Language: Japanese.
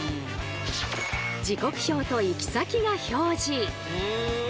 時刻表と行き先が表示。